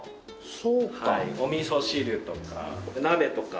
おみそ汁とか鍋とか。